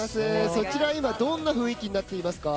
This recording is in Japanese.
そちらは今どんな雰囲気になっていますか？